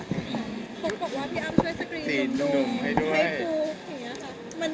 บอกว่าพี่อ้ามช่วยสกรีนดุ่มให้ดู